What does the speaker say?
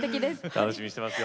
楽しみにしてますよ。